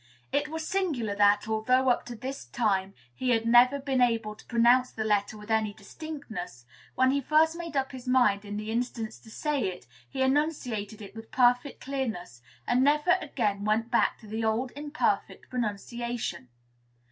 It was singular that, although up to that time he had never been able to pronounce the letter with any distinctness, when he first made up his mind in this instance to say it, he enunciated it with perfect clearness, and never again went back to the old, imperfect pronunciation.